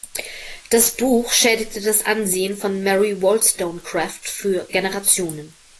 Das Buch schädigte das Ansehen von Mary Wollstonecraft für Generationen.